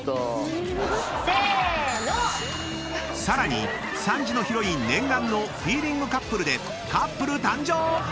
［さらに３時のヒロイン念願のフィーリングカップルでカップル誕生！］